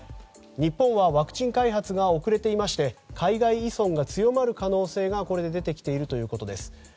日本はワクチン開発が遅れていまして海外依存が強まる可能性が出てきているということです。